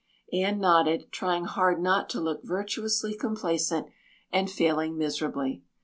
Anne nodded, trying hard not to look virtuously complacent and failing miserably.